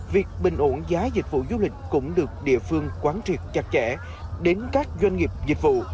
việc bình ổn giá dịch vụ du lịch cũng được địa phương quán triệt chặt chẽ đến các doanh nghiệp dịch vụ